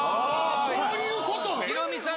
そういうことね！